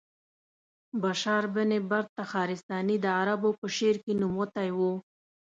بشار بن برد تخارستاني د عربو په شعر کې نوموتی و.